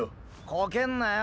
こけんなよ。